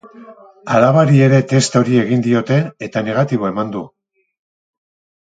Alabari ere test hori egin diote, eta negatibo eman du.